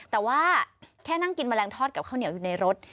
แต่ว่าแค่นั่งกินแมลงทอดกับข้าวเหนียวอยู่ในรถ